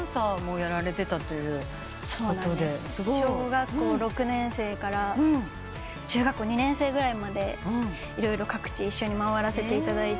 小学校６年生から中学校２年生ぐらいまで色々各地一緒に回らせていただいて。